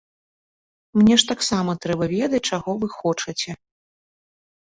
Мне ж таксама трэба ведаць, чаго вы хочаце.